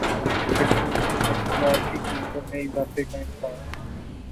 petroleum مصنوعات کی قیمتوں میں اضافے کا امکان